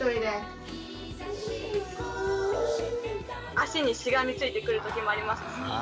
足にしがみついてくるときもありますし。